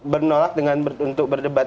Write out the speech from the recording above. bernolak untuk berdebat